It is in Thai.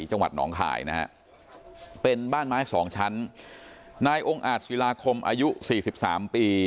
จังหวัดหนองคายนะฮะเป็นบ้านไม้สองชั้นนายองค์อาจศิลาคมอายุสี่สิบสามปี